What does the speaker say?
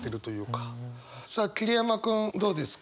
さあ桐山君どうですか？